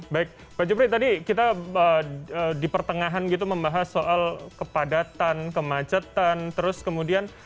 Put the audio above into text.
baik pak jupri tadi kita di pertengahan gitu membahas soal kepadatan kemacetan terus kemudian